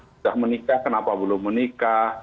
sudah menikah kenapa belum menikah